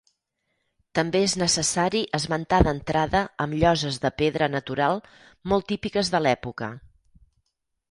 També és necessari esmentar d'entrada amb lloses de pedra natural molt típiques de l'època.